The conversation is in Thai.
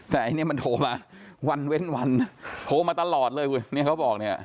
แต่อันนี้มันโทรมาวันเว้นวันโทรมาตลอดเลยเนี่ยเขาบอกเนี่ย